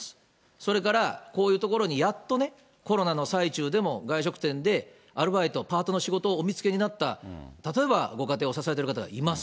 それからこういう所にやっとね、コロナの最中でも外食店でアルバイト、パートの仕事をお見つけになった、例えばご家庭を支えてる方がいます。